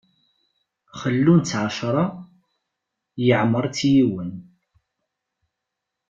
Xellun-tt ɛecṛa, yeɛmeṛ-itt yiwen.